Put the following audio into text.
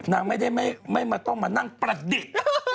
นางไม่ได้ไม่ต้องมานั่งประดิษฐ์